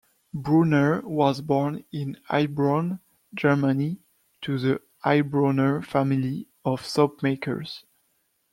Bronner was born in Heilbronn, Germany, to the Heilbronner family of soap makers.